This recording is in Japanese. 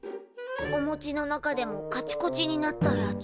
おもちの中でもカチコチになったやつ。